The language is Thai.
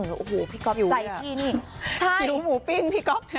หิวหูพี่ก๊อบใจที่นี่หิวหูปิ้งพี่ก๊อบ